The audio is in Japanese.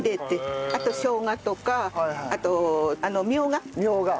あとしょうがとかあとミョウガ